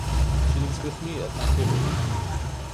She lives with me at my table here.